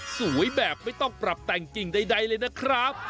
สวยแบบไม่ต้องปรับแต่งกิ่งใดเลยนะครับ